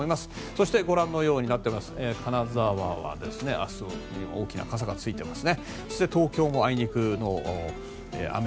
そして、ご覧のように金沢は明日に大きな傘マークがついています。